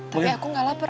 tapi aku gak lapar